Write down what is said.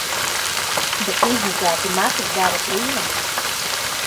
Bet izmazgāti mati dara brīnumus.